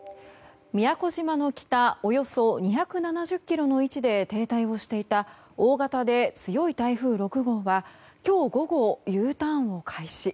宮古島の北およそ２７０ｋｍの位置で停滞をしていた大型で強い台風６号は今日午後、Ｕターンを開始。